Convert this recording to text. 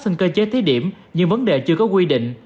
xin cơ chế thí điểm nhưng vấn đề chưa có quy định